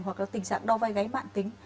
hoặc là tình trạng đo vai gái mạng tính